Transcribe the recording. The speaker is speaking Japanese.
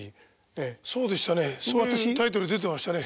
そうでしたね。